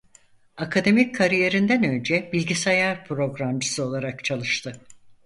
Akademik kariyerinden önce bilgisayar programcısı olarak çalıştı.